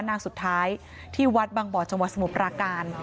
นางสุดท้ายที่วัดบางบ่อจังหวัดสมุทรปราการ